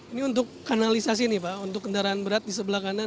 ini untuk kanalisasi nih pak untuk kendaraan berat di sebelah kanan